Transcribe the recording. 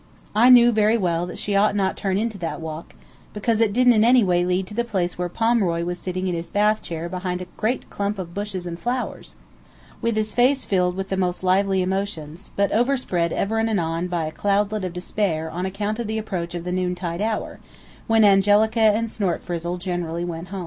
I knew very well that she ought not to turn into that walk, because it didn't in any way lead to the place where Pomeroy was sitting in his bath chair behind a great clump of bushes and flowers, with his face filled with the most lively emotions, but overspread ever and anon by a cloudlet of despair on account of the approach of the noontide hour, when Angelica and Snortfrizzle generally went home.